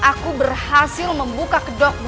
aku berhasil membuka kedokmu